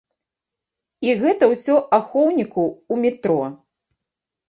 І гэта ўсё ахоўніку ў метро!